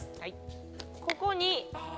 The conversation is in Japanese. ここに。